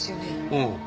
うん。